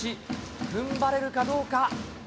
ふんばれるかどうか。